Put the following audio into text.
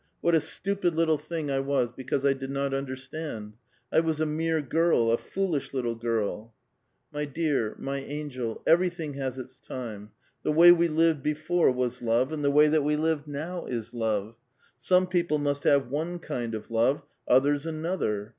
What a stupid little thing I was be cause I did not understand ; I was a mere girl, a foolish lit tle girl." My dear, my angel, everything has its time. The way we lived before was love, and the way that we live now is love ; some people must have one kind of love, others another.